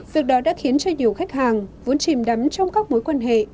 việc đó đã khiến cho nhiều khách hàng vốn chìm đắm trong các mối quan hệ